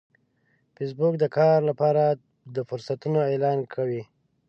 فېسبوک د کار لپاره د فرصتونو اعلان کوي